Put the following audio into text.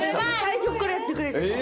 最初っからやってくれてた。